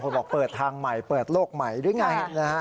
บางคนบอกเปิดทางใหม่เปิดโลกใหม่หรือยังไง